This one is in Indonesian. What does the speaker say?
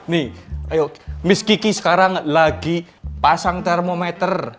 nih ayo miss kiki sekarang lagi pasang termometer